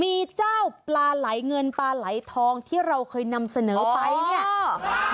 มีเจ้าปลาไหลเงินปลาไหลทองที่เราเคยนำเสนอไปเนี่ย